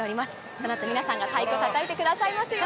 このあと皆さんが太鼓をたたいてくださいますよ。